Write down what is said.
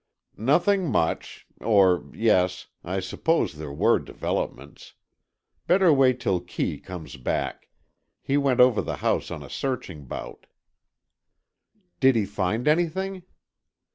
"Nothing much—or, yes, I suppose there were developments. Better wait till Kee comes back. He went over the house on a searching bout." "Did he find anything?"